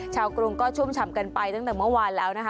กรุงก็ชุ่มฉ่ำกันไปตั้งแต่เมื่อวานแล้วนะคะ